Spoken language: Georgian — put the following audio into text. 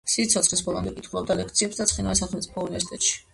სიცოცხლის ბოლომდე კითხულობდა ლექციებს ცხინვალის სახელმწიფო უნივერსიტეტში.